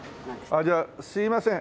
じゃあすいません